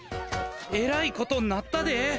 えらいことになったで。